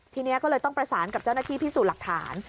ทีนี้ก็เลยต้องประสานกับเจ้าหน้าที่พิสูจน์หลักฐาน